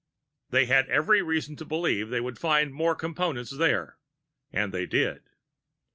They had every reason to believe they would find more Components there, and they did.